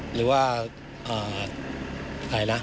หรือว่าอะไรนะ